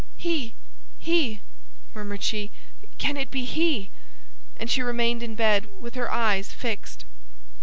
"He, he!" murmured she; "can it be he?" And she remained in bed with her eyes fixed.